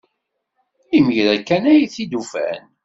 Imir-a kan ay t-id-ufan.